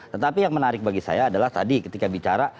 tetapi yang menarik bagi saya adalah tadi ketika bicara